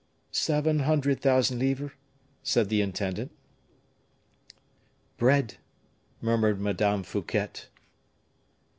"Seven hundred thousand livres," said the intendant. "Bread," murmured Madame Fouquet.